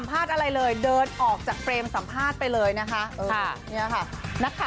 ปล่อยจอยมาก